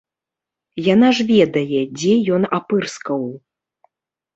Яна ж ведае, дзе ён апырскаў.